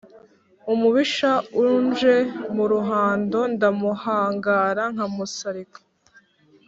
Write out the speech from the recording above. umubisha unje mu ruhando ndamuhangara nkamusarika,